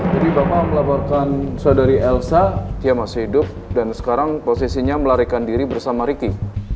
jadi bapak melaporkan saudari elsa dia masih hidup dan sekarang posisinya melarikan diri bersama ricky